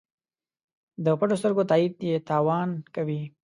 د پټو سترګو تایید یې تاوان کوي.